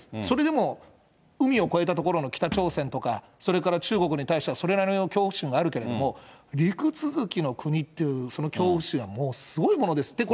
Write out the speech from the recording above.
それでも海を越えた所の北朝鮮とか、それから中国に対しては、それなりの恐怖心があるけれども、陸続きの国っていうその恐怖心はもうすごいものです。